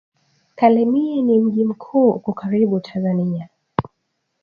Kalemie ni mji mkuu uko karibu tazania